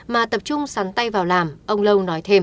mà tập trung sắn tay vào làm ông lâu nói thêm